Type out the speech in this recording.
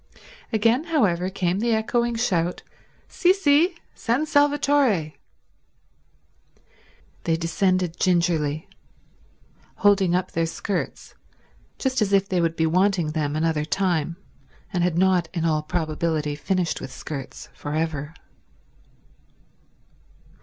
Again, however, came the echoing shout—"Sì, sì—San Salvatore." They descended gingerly, holding up their skirts just as if they would be wanting them another time and had not in all probability finished with skirts for ever.